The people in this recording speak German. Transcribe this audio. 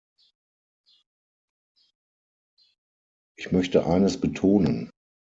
Ich möchte eines betonen.